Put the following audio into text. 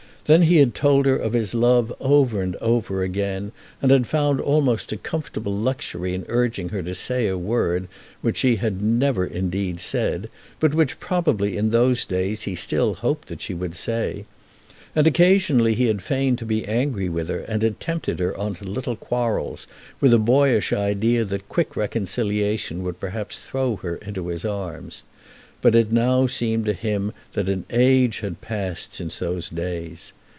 Then he had told her of his love over and over again, and had found almost a comfortable luxury in urging her to say a word, which she had never indeed said, but which probably in those days he still hoped that she would say. And occasionally he had feigned to be angry with her, and had tempted her on to little quarrels with a boyish idea that quick reconciliation would perhaps throw her into his arms. But now it seemed to him that an age had passed since those days.